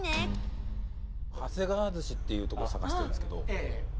ハセガワ寿司っていうとこ探してるんですけど。